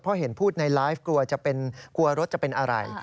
เพราะเห็นพูดในไลฟ์กลัวรถจะเป็นอะไร